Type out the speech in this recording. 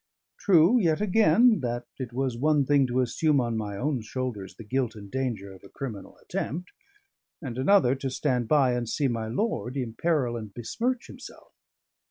True, yet again, that it was one thing to assume on my own shoulders the guilt and danger of a criminal attempt, and another to stand by and see my lord imperil and besmirch himself.